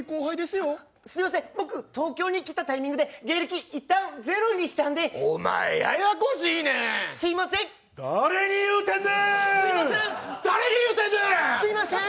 東京で来たタイミングで芸歴、いったんゼロにしたんでお前、ややこしいんねん。